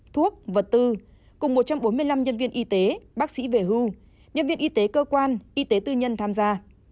thuốc vật tư cùng một trăm bốn mươi năm nhân viên y tế bác sĩ về hưu nhân viên y tế cơ quan y tế tư nhân tham gia